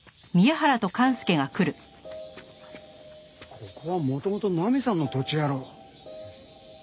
ここは元々ナミさんの土地やろ。